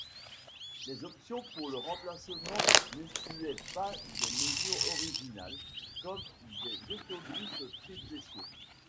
Les options pour le remplacement n'excluaient pas des mesures originales, comme des autobus triple-essieu.